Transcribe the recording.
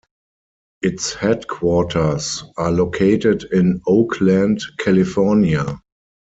Its headquarters are located in Oakland, California.